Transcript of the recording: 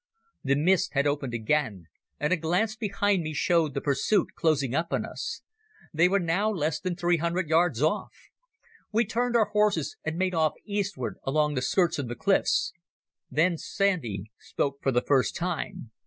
The mist had opened again, and a glance behind showed me the pursuit closing up on us. They were now less than three hundred yards off. We turned our horses and made off east ward along the skirts of the cliffs. Then Sandy spoke for the first time.